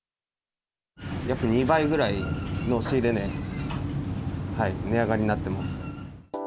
約２倍ぐらいの仕入れ値、値上がりになってます。